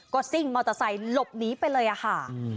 ก็ซิ่งมอเตอร์ไซค์หลบหนีไปเลยอะค่ะ